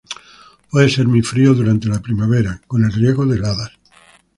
Puede ser muy frío durante la primavera, con el riesgo de helada.